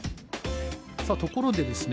さあところでですね